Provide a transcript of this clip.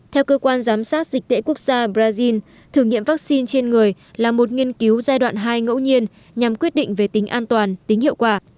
theo cơ quan giám sát dịch tễ quốc gia brazil thử nghiệm vaccine trên người là một nghiên cứu giai đoạn hai ngẫu nhiên nhằm quyết định về tính an toàn tính hiệu quả